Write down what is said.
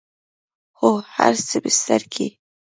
هو، هر سیمیستر کی